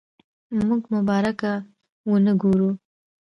موږ مبارکه ونه وګورو.